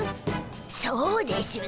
そうでしゅな。